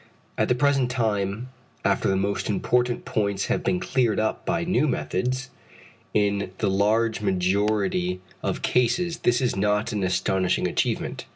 At the present time, after the most important points have been cleared up by new methods, in the large majority of cases, this is not an astonishing achievement.